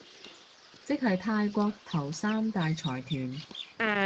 即係泰國頭三大財團